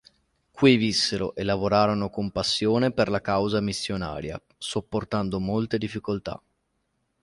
Qui vissero e lavorarono con passione per la causa missionaria, sopportando molte difficoltà.